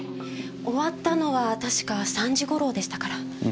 終わったのは確か３時頃でしたから。